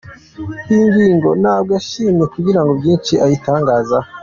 Iyi ngingo ntabwo yashimye kugira byinshi ayitangazaho.